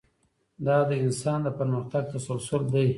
دا د انسان د پرمختګ تسلسل دی.